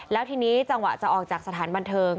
แล้วทีนี้จังหวะจะออกจากสถานบันเทิง